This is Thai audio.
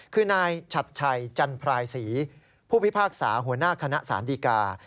คือนายชัดชัยจันพรายศรีผู้พิพากษาหัวหน้าคณะศาลดีกา